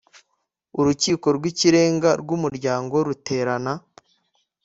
Urukiko rw ikirenga rw umuryango ruterana